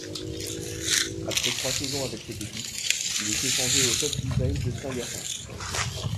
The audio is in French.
Après trois saisons avec cette équipe, il est échangé au Top Design de Saint-Hyacinthe.